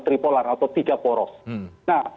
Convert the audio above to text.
tripolar atau tiga poros nah